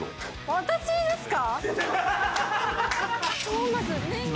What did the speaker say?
私ですか？